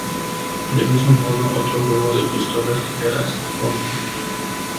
Del mismo modo, otro juego de pistolas ligeras, como